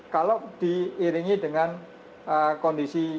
kalau diiringi dengan kondisi yang berbeda